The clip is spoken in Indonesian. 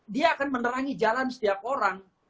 dia akan menerangi jalan setiap orang